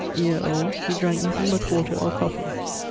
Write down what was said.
year old he dranke nothing but water or coffee.